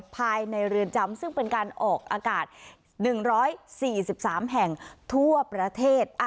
ภายในเรือนจำซึ่งเป็นการออกอากาศ๑๔๓แห่งทั่วประเทศ